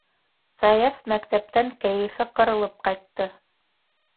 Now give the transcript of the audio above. Саяф мәктәптән кәйефе ҡырылып ҡайтты.